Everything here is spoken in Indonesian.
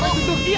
bapak tutup dia